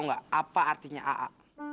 lu tau gak apa artinya aa